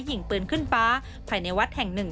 ยิงปืนขึ้นฟ้าภายในวัดแห่งหนึ่ง